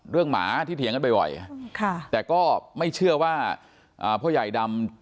หมาที่เถียงกันบ่อยแต่ก็ไม่เชื่อว่าพ่อใหญ่ดำ